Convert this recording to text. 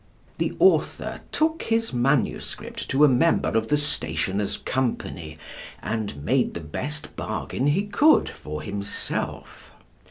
The author took his manuscript to a member of the Stationers' Company, and made the best bargain he could for himself.